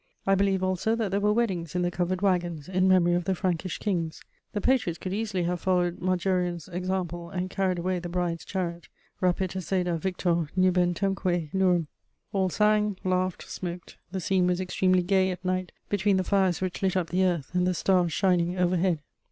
I believe also that there were weddings in the covered wagons, in memory of the Frankish kings. The patriots could easily have followed Majorian's example and carried away the bride's chariot: Rapit esseda victor, nubentemque nurum. All sang, laughed, smoked. The scene was extremely gay at night, between the fires which lit up the earth and the stars shining overhead.